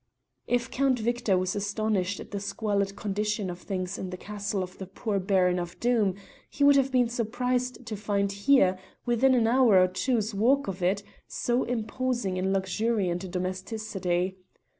If Count Victor was astonished at the squalid condition of things in the castle of the poor Baron of Doom, he would have been surprised to find here, within an hour or two's walk of it, so imposing and luxuriant a domesticity.